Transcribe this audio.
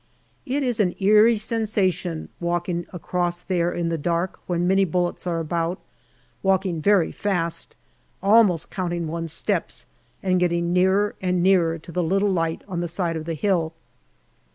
It is an eerie sensation, walking across there in the dark when many bullets are about walking very fast, almost counting one's steps, and getting nearer and nearer to the little light on the side of the hill.